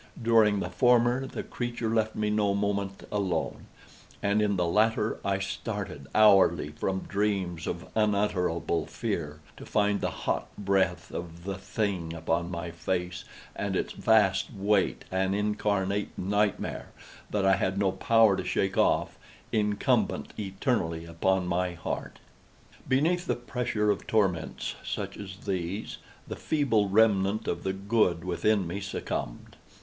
During the former the creature left me no moment alone, and in the latter I started hourly from dreams of unutterable fear to find the hot breath of the thing upon my face, and its vast weight—an incarnate nightmare that I had no power to shake off—incumbent eternally upon my heart! Beneath the pressure of torments such as these, the feeble remnant of the good within me succumbed.